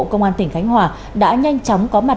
công an tỉnh khánh hòa đã nhanh chóng có mặt